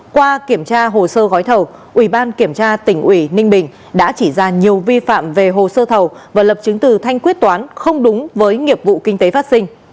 qua kiểm tra hồ sơ gói thầu ubktnb đã chỉ ra nhiều vi phạm về hồ sơ thầu và lập chứng từ thanh quyết toán không đúng với nghiệp vụ kinh tế phát sinh